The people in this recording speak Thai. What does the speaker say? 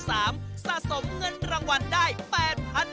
สะสมเงินรางวัลได้๘๐๐๐บาท